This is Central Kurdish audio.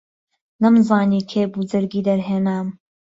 نهمزانی کێ بوو جهرگی دهرهێنام